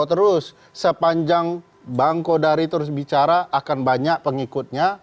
terus sepanjang bangkodari terus bicara akan banyak pengikutnya